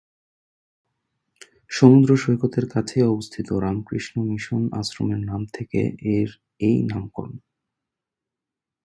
সমুদ্র সৈকতের কাছেই অবস্থিত রামকৃষ্ণ মিশন আশ্রমের নাম থেকে এর এই নামকরণ।